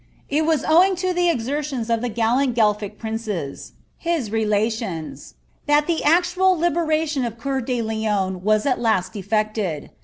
* It was owing to the exertions of the gallant Guelphic princes, his relations, that the actual liberation of Cceur de Lion was at last effected.